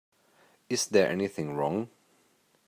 Is there anything wrong?